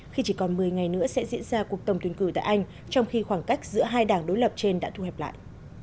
khi chỉ còn một mươi ngày nữa sẽ diễn ra cuộc tổng tuyển cử tại anh trong khi khoảng cách giữa hai đảng đối lập trên đã thu hẹp lại